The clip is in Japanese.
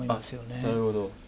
なるほど。